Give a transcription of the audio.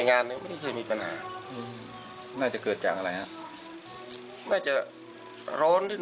งานไม่เคยมีปัญหาน่าจะเกิดจากอะไรครับน่าจะร้อนนิด